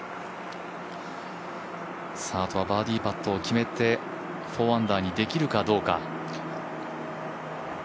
あとはバーディーパットを決めて４アンダーにできるかどうか。